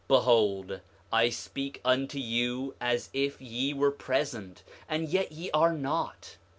8:35 Behold, I speak unto you as if ye were present, and yet ye are not.